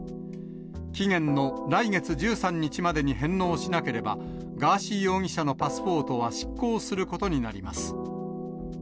期限の来月１３日までに返納しなければ、ガーシー容疑者のパスポートは失効することになります。